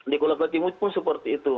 di kota timur pun seperti itu